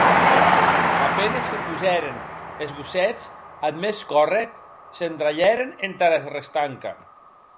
A penes se posèren, es gossets, ath mès córrer, s'endralhèren entara restanca.